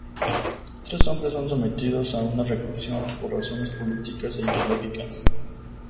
Tres hombres son sometidos a una reclusión por razones políticas e ideológicas.